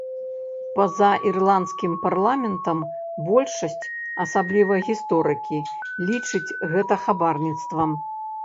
Па-за ірландскім парламентам большасць, асабліва гісторыкі, лічыць гэта хабарніцтвам.